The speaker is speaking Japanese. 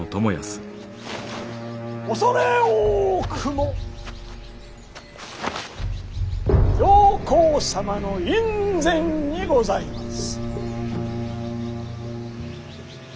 畏れ多くも上皇様の院宣にございます。